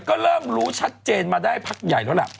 ก็เริ่มรู้ชัดเจนมาได้พักใหญ่แล้วล่ะ